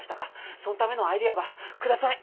そんためのアイデアば下さい。